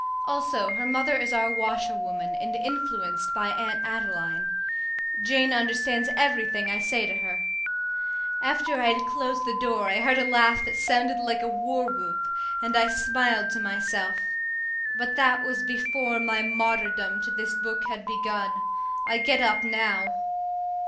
Also her mother is our washerwoman, and influenced by Aunt Adeline. Jane understands everything I say to her. After I had closed the door I heard a laugh that sounded like a war whoop, and I smiled to myself. But that was before my martyrdom to this book had begun. I get up now!